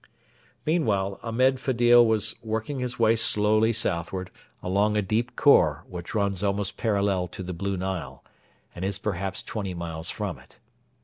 Meanwhile Ahmed Fedil was working his way slowly southward along a deep khor which runs almost parallel to the Blue Nile and is perhaps twenty miles from it.